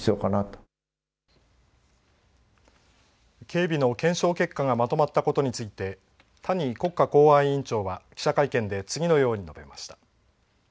警備の検証結果がまとまったことについて谷国家公安委員長は記者会見で次のように述べました。